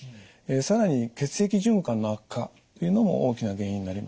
更に血液循環の悪化というのも大きな原因になります。